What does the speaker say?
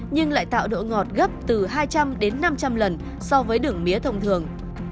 nhưng lại tạo độ ngọt gấp từ hai trăm linh đến năm trăm linh lần so với đường mía thông thường